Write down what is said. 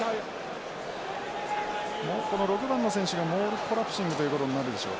この６番の選手がモールコラプシングということになるでしょう。